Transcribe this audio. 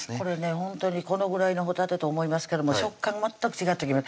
ほんとにこのぐらいのほたてと思いますけども食感全く違ってきます